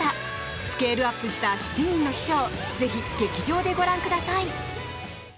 スケールアップした「七人の秘書」をぜひ劇場でご覧ください！